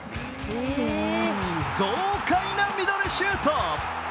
豪快なミドルシュート。